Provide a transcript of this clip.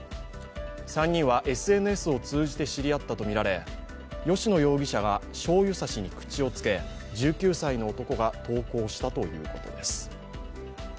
３人はＳＮＳを通じて知り合ったとみられ吉野容疑者がしょうゆ差しに口をつけ１９歳の男が投稿したということです。